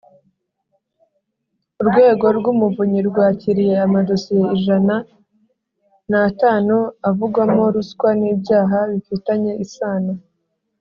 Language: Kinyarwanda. urwego rw’umuvunyi rwakiriye amadosiye ijana n’atanu avugwamo ruswa n’ibyaha bifitanye isano